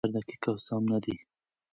دا نظر دقيق او سم نه دی.